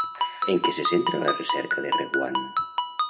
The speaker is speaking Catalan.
En què se centra la recerca de Reguant?